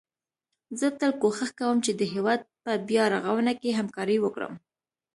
زه تل کوښښ کوم چي د هيواد په بيا رغونه کي همکاري وکړم